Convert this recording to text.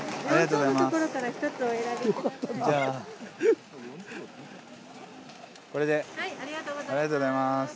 ありがとうございます。